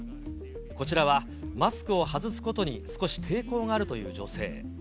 こちらはマスクを外すことに少し抵抗があるという女性。